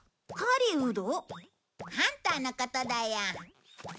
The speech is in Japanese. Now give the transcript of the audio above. ハンターのことだよ。